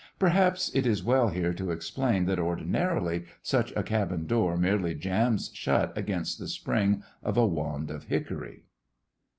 Perhaps it is well here to explain that ordinarily such a cabin door merely jams shut against the spring of a wand of hickory.